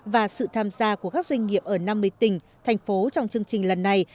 và sự tham gia của các doanh nghiệp ở năm mươi tỉnh thành phố trong chương trình lần này